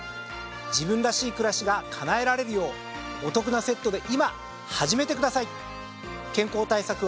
自分らしい暮らしが叶えられるようお得なセットで今始めてください。